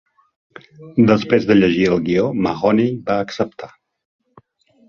Després de llegir el guió, Mahoney va acceptar.